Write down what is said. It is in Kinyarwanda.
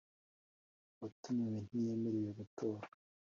Uwatumiwe ntiyemerewe gutora